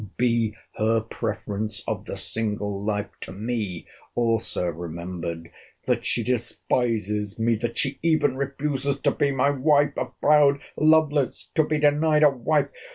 Be her preference of the single life to me also remembered!—That she despises me!—That she even refuses to be my WIFE!—A proud Lovelace to be denied a wife!